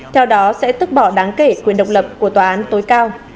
theo đó sẽ tức bỏ đáng kể quyền độc lập của tòa án tối cao